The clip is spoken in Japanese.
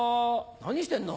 何してんの？